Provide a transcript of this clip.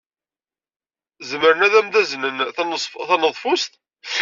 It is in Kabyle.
Zemren ad am-d-aznen taneḍfust?